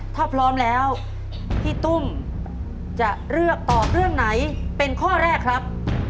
ถ้าพร้อมแล้วพี่ตุ้มจะเลือกตอบเรื่องไหนเป็นข้อแรกครับ